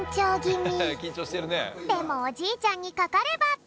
でもおじいちゃんにかかれば。